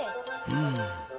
うん。